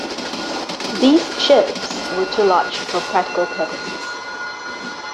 These ships were too large for practical purposes.